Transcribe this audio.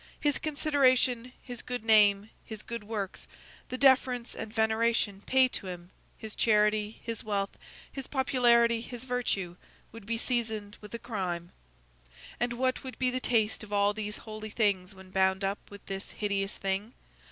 his consideration, his good name, his good works, the deference and veneration paid to him, his charity, his wealth, his popularity, his virtue, would be seasoned with a crime. And what would be the taste of all these holy things when bound up with this hideous thing?